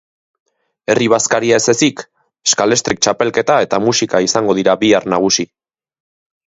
Herri bazkaria ez ezik, scalextric txapelketa eta musika izango dira bihar nagusi.